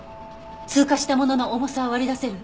通過したものの重さは割り出せる？